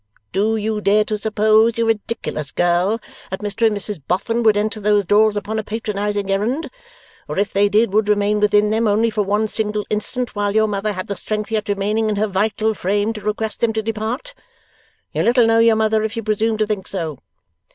Do you dare to suppose, you ridiculous girl, that Mr and Mrs Boffin would enter these doors upon a patronizing errand; or, if they did, would remain within them, only for one single instant, while your mother had the strength yet remaining in her vital frame to request them to depart? You little know your mother if you presume to think so.